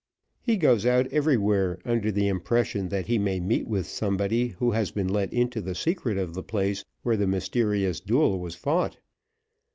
He goes out everywhere under the impression that he may meet with somebody who has been let into the secret of the place where the mysterious duel was fought.